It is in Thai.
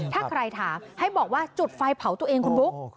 ถ้าใครถามให้บอกว่าจุดไฟเผาตัวเองคุณบุ๊ค